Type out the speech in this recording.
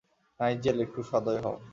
Nigel, একটু সদয় হও।